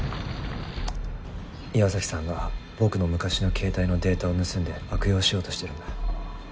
岩崎さんが僕の昔の携帯のデータを盗んで悪用しようとしてるんだ。